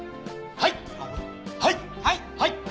はい！